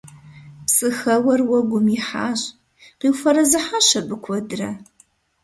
Псыхэуэр уэгум ихьащ. Къиуфэрэзыхьащ абы куэдрэ.